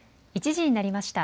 １時になりました。